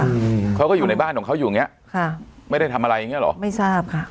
อืมเขาก็อยู่ในบ้านของเขาอยู่อย่างเงี้ยค่ะไม่ได้ทำอะไรอย่างเงี้เหรอไม่ทราบค่ะ